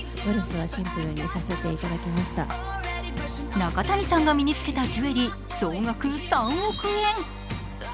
中谷さんが身に着けたジュエリー総額３億円。